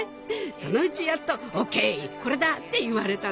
そのうちやっと「オーケーこれだ」って言われたの。